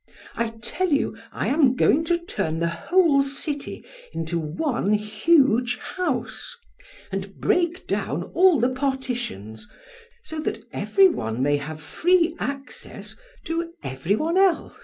I tell you I am going to turn the whole city into one huge house, and break down all the partitions, so that every one may have free access to every one else.